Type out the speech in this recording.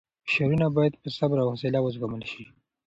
فشارونه باید په صبر او حوصله وزغمل شي.